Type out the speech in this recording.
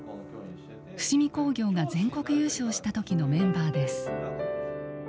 伏見工業が全国優勝した時のメンバーです。